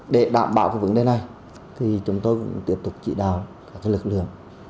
để đảm bảo vấn đề này chúng tôi cũng tiếp tục trị đào các lực lượng